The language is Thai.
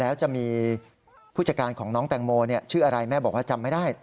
แล้วจะมีผู้จัดการของน้องแตงโมชื่ออะไรแม่บอกว่าจำไม่ได้